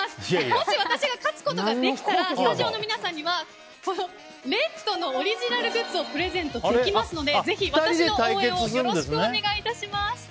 もし私が勝つことができたらスタジオの皆さんにはＲＥＤ°のオリジナルグッズをプレゼントできますので応援をお願いします。